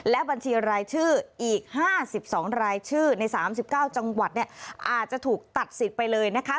และบัญชีรายชื่ออีก๕๒รายชื่อใน๓๙จังหวัดเนี่ยอาจจะถูกตัดสิทธิ์ไปเลยนะคะ